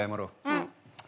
うん。